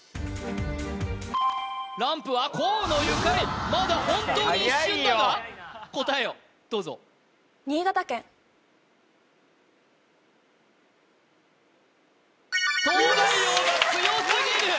ランプは河野ゆかりまだ本当に一瞬だが答えをどうぞ東大王が強すぎる！